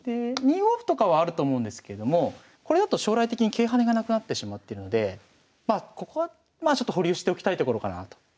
２五歩とかはあると思うんですけれどもこれだと将来的に桂跳ねがなくなってしまってるのでここはちょっと保留しておきたいところかなあと。